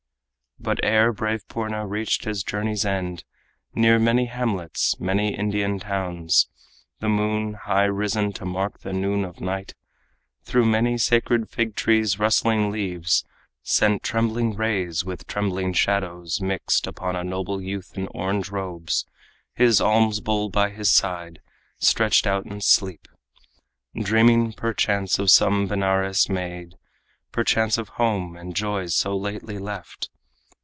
But ere brave Purna reached his journey's end, Near many hamlets, many Indian towns, The moon, high risen to mark the noon of night, Through many sacred fig tree's rustling leaves Sent trembling rays with trembling shadows mixed Upon a noble youth in orange robes, His alms bowl by his side, stretched out in sleep, Dreaming, perchance, of some Benares maid, Perchance of home and joys so lately left.